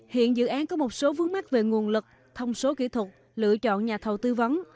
hiện dự án có một số vướng mắt về nguồn lực thông số kỹ thuật lựa chọn nhà thầu tư vấn